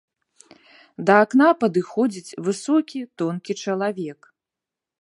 Да акна падыходзіць высокі, тонкі чалавек.